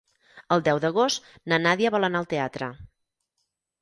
El deu d'agost na Nàdia vol anar al teatre.